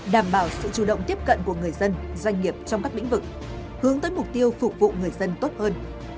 đảm bảo sự chủ động tiếp cận của người dân doanh nghiệp trong các lĩnh vực hướng tới mục tiêu phục vụ người dân tốt hơn